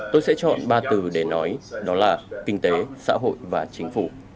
tôi sẽ chọn ba từ để nói đó là kinh tế xã hội và chính phủ